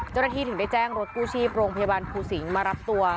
เจ้าหน้าที่ถึงได้แจ้งรถกู้ชีพโรงพยาบาลภูสิงศ์มารับตัว